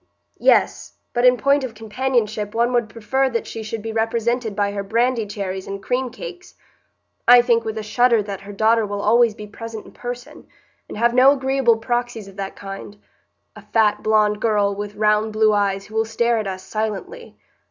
"Yes, but in point of companionship one would prefer that she should be represented by her brandy cherries and cream cakes. I think with a shudder that her daughter will always be present in person, and have no agreeable proxies of that kind,—a fat, blond girl, with round blue eyes, who will stare at us silently."